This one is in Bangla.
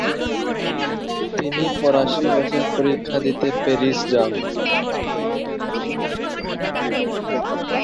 তিনি ফরাসি ভাষার পরীক্ষা দিতে প্যারিস যান।